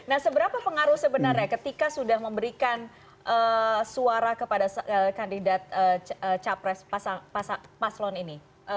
nah seberapa pengaruh sebenarnya ketika sudah memberikan suara kepada kandidat capres paslon ini